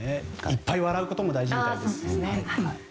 いっぱい笑うことも大事みたいです。